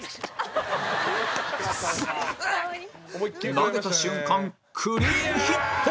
投げた瞬間クリーンヒット